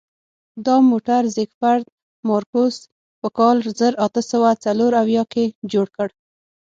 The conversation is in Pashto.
دا موټر زیکفرد مارکوس په کال زر اته سوه څلور اویا کې جوړ کړ.